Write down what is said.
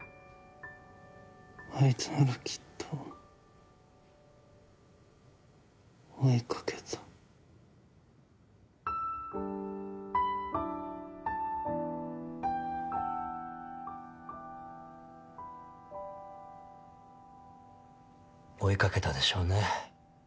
あいつならきっと追いかけた追いかけたでしょうね